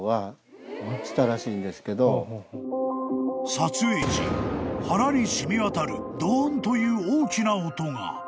［撮影時腹に染み渡るドーンという大きな音が］